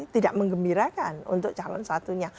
tidak mengembirakan untuk calon satunya